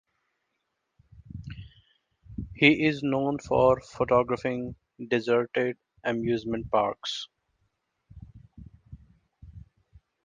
He is known for photographing deserted amusement parks.